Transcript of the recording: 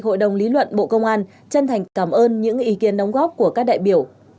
hội đồng lý luận bộ công an chân thành cảm ơn những ý kiến đóng góp của các đại biểu